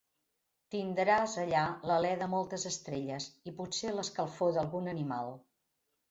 Tindràs allà l'alè de moltes estrelles, i potser l'escalfor d'algun animal.